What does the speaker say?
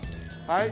はい。